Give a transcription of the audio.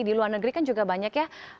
di luar negeri kan juga banyak ya